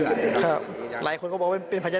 หลายคนก็บอกว่ามันเป็นพญานาค